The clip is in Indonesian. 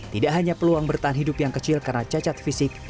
tidak hanya peluang bertahan hidup yang kecil karena cacat fisik